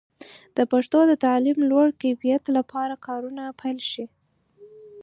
د پښتو د تعلیم د لوړ کیفیت لپاره کارونه پیل شي.